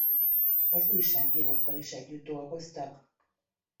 Az újságírókkal is együtt dolgoztak.